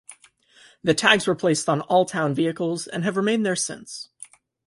The tags were placed on all town vehicles, and have remained there since.